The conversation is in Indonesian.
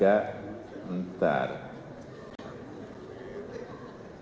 apa yang cara cara apa